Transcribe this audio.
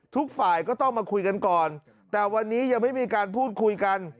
ทุกฝ่ายก็ต้องมาคุยกันก่อนแต่วันนี้ยังไม่มีการพูดคุยกัน